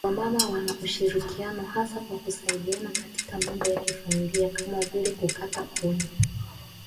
Wamama wana ushirikiano hasa kwa kusaidiana katika mambo ya familia kama vile kukata kuni